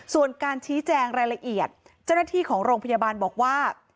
ส่วนการชี้แจงรายละเอียดเจ้าหน้าที่ของโรงพยาบาลบอกว่า